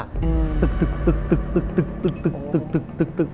ตึก